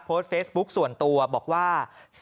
โพสต์เฟซบุ๊คส่วนตัวบอกว่า